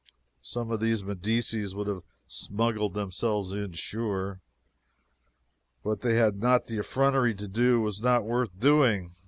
Some of those Medicis would have smuggled themselves in sure. What they had not the effrontery to do, was not worth doing.